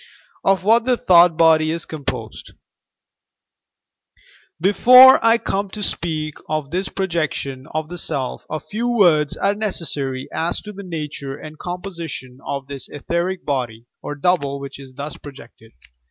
OP WHAT THE " THOUGHT BOD Y " IS COMPOSED Before I come to speak of this projection of the self, a few words are necessary as to the nature and composition of this etheric body, or double, which is thuB projected.